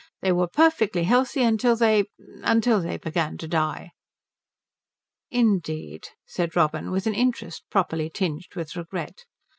They were perfectly healthy until they until they began to die." "Indeed," said Robin, with an interest properly tinged with regret.